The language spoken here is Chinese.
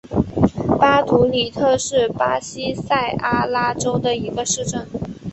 巴图里特是巴西塞阿拉州的一个市镇。